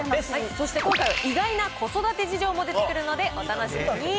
そして今回意外な子育て事情も出てくるので、お楽しみに。